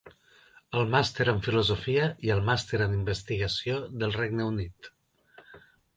El Màster en Filosofia i el Màster en Investigació del Regne Unit.